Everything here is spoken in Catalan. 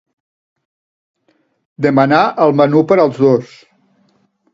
Demanà el menú per als dos.